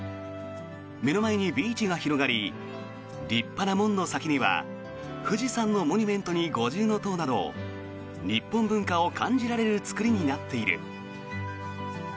目の前にビーチが広がり立派な門の先には富士山のモニュメントに五重塔など日本文化を感じられる作りになっている。